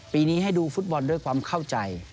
ปีนี้ให้ดูฟุตบอลด้วยความเข้าใจ